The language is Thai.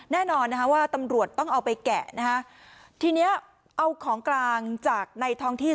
แน่นอนนะคะว่าตำรวจต้องเอาไปแกะนะฮะทีเนี้ยเอาของกลางจากในท้องที่